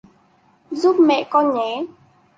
giúp mẹ con nhé